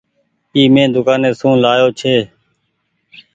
اي مين دوڪآني سون لآيو ڇي۔